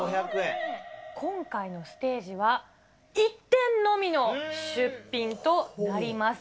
今回のステージは１点のみの出品となります。